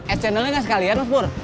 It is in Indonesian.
es cendolnya enggak sekalian mas pur